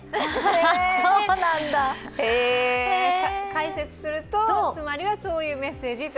解説すると、つまりはそういうメッセージと。